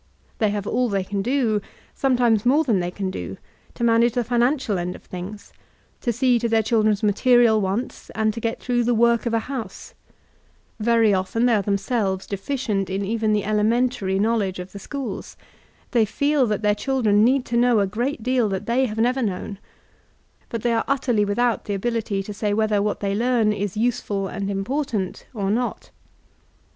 They have all they can do, sometimes more than they can do, to manage the financial end of things, to see to their children's material wants and to get throqgh the S3P VOLTAIBINB DB ClBYSB work of a house; very often they are themselves deBdent in even the elementary knowledge of the schook; they feel that their children need to know a great deal that they have never known, but they are utterly without the ability to say whether what they learn is useful and im portant or not.